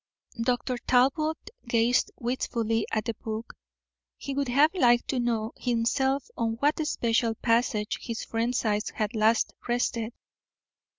Dr. Talbot gazed wistfully at the book. He would have liked to know himself on what especial passage his friend's eyes had last rested.